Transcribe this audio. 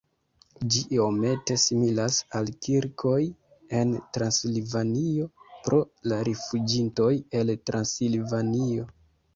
Ĝi iomete similas al kirkoj en Transilvanio pro la rifuĝintoj el Transilvanio.